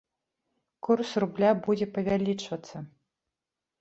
Курс рубля будзе павялічвацца.